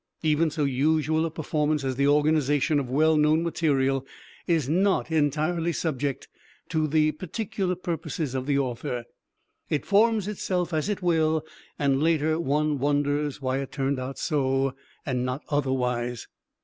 Even so usual a performance as the organization of well known material is not entirely subject to the particular purposes of the author. It forms itself as it will and later one wonders why it turned out so and not otherwise.